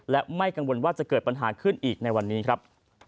และไม่กังวลว่าจะเกิดปัญหาขึ้นอีกในวันนี้ครับ